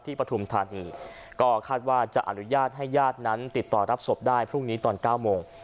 ปฐุมธานีก็คาดว่าจะอนุญาตให้ญาตินั้นติดต่อรับศพได้พรุ่งนี้ตอน๙โมง